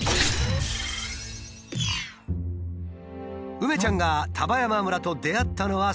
梅ちゃんが丹波山村と出会ったのは３年前。